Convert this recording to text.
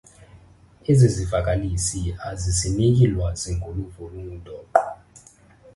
Ezi zivakalisi azisiniki lwazi ngoluvo olungundoqo.